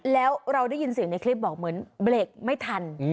แล้วเราได้ยินเสียงในคลิปบอกเหมือนเบรกไม่ทัน